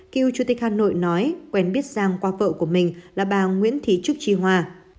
cựu chủ tịch hà nội nói quen biết giang qua vợ của mình là bà nguyễn thí trúc trì hoa